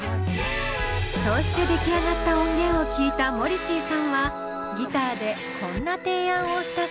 そうして出来上がった音源を聴いたモリシーさんはギターでこんな提案をしたそう。